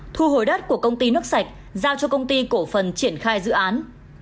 thu hồi đất của công ty nước sạch giao cho công ty cổ phần triển khai dự án